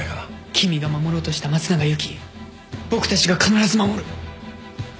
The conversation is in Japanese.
君が守ろうとした松永由貴僕たちが必ず守る。